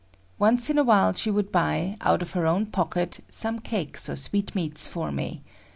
Once in a while she would buy, out of her own pocket, some cakes or sweetmeats for me.